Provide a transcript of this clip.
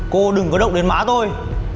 cô đừng có động đến má tôi